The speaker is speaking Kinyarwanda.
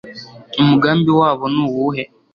umugambi wabo ni uwuhe